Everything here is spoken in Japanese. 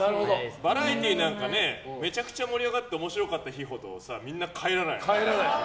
バラエティーなんかめちゃくちゃ盛り上がって面白かった日ほどみんな帰らないよね。